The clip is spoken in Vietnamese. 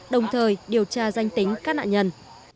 đồng thời điều tra danh tính các nạn nhân